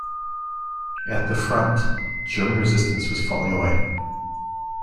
At the front, German resistance was falling away.